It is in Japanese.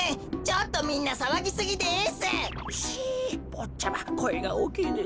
ぼっちゃまこえがおおきいです。